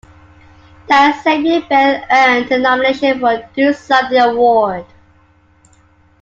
That same year, Biel earned a nomination for a Do Something Award.